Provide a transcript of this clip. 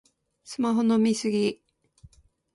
スマホの見過ぎ